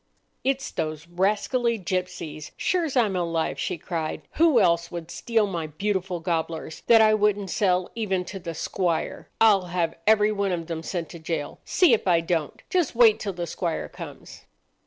"It's those rascally gipsies, sure's I'm alive," she cried. "Who else would steal my beautiful gobblers, that I wouldn't sell even to the squire? I'll have every one of them sent to jail, see if I don't. Just wait till the squire comes!"